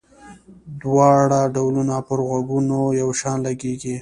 دواړه ډولونه پر غوږونو یو شان لګيږي.